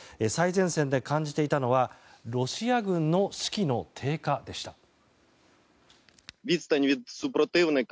最前線で感じていたのはロシア軍の士気の低下でした。